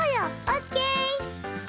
「オッケー！」。